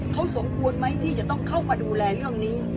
เขาสมควรไหมที่จะต้องเข้ามาดูแลเรื่องนี้